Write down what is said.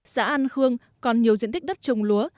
xã an khương còn nhiều diện tích đất trồng lúa